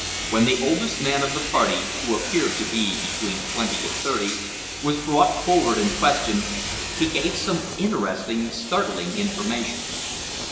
When the oldest man of the party, who appeared to be between twenty and thirty, was brought forward and questioned, he gave some interesting and startling information.